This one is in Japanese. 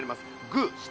グー下。